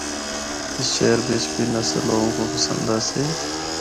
اس شہر بچ بھی نثر لوگاں کو پسند آسی۔